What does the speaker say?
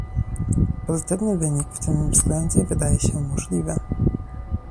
Pozytywny wynik w tym względzie wydaje się możliwy